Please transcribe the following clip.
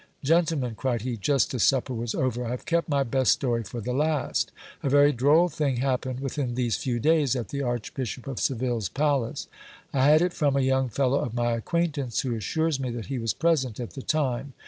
Gentlemen, cried he, just as supper was over, I have kept my best story for the last ; a very droll thing happened within these few days at the archbishop of Seville's palace. I had it from a young fellow of my acquaintance, who assures me that he was present at the time.